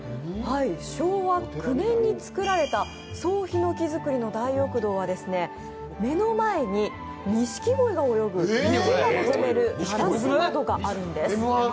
昭和９年につくられた総ひのき造りの大浴堂は目の前ににしきごいが泳ぐ、池が望めるガラス窓があるんです。